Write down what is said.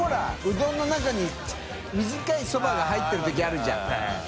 うどんの中に短いそばが入ってる時あるじゃん